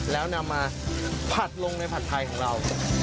แล้วนำมาผัดลงในผัดไทยของเรา